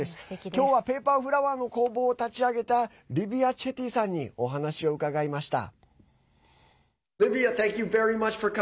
今日はペーパーフラワーの工房を立ち上げたリヴィア・チェティさんにお話を伺いました。